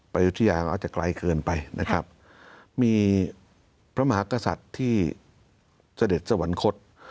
อายุทยาก็อาจจะไกลเกินไปนะครับมีพระมหากษัตริย์ที่เสด็จสวรรคต